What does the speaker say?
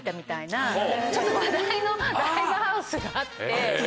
ちょっと話題のライブハウスがあって。